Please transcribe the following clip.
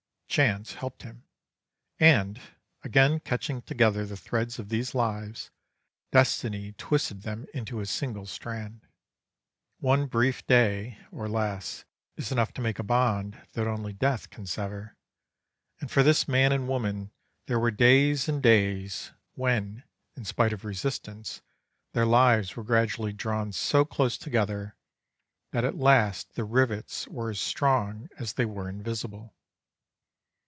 Chance helped him, and, again catching together the threads of these lives, Destiny twisted them into a single strand. One brief day, or less, is enough to make a bond that only death can sever, and for this man and woman there were days and days when, in spite of resistance, their lives were gradually drawn so close together that at last the rivets were as strong as they were invisible.